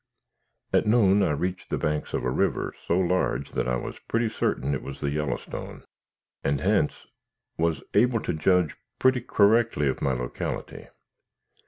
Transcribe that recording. At noon I reached the banks of a river, so large that I was pretty certain it was the Yellowstone, and hence was able to judge pretty correctly of my locality.